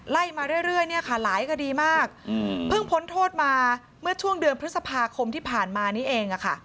ไล่มาเรื่อยเนี่ยค่ะหลายคดีมากเพิ่งพ้นโทษมาเมื่อช่วงเดือนพฤษภาคมที่ผ่านมานี้เอง